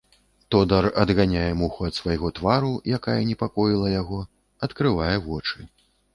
Тодар адганяе муху ад свайго твару, якая непакоіла яго, адкрывае вочы.